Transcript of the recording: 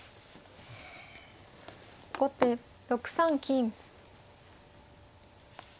後手６三金。